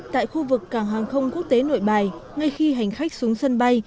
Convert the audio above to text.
tại khu vực cảng hàng không quốc tế nội bài ngay khi hành khách xuống sân bay